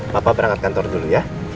bapak berangkat kantor dulu ya